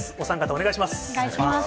お願いします。